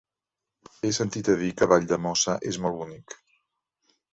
He sentit a dir que Valldemossa és molt bonic.